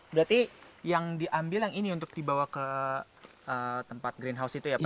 berarti yang diambil yang ini untuk dibawa ke tempat greenhouse itu ya pak